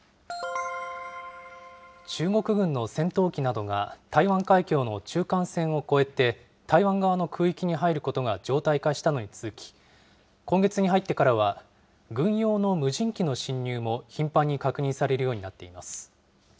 中国軍の戦闘機などが、台湾海峡の中間線を越えて台湾側の空域に入ることが常態化したのに続き、今月に入ってからは、軍用の無人機の進入も頻繁に確認さ